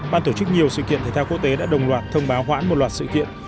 ban tổ chức nhiều sự kiện thể thao quốc tế đã đồng loạt thông báo hoãn một loạt sự kiện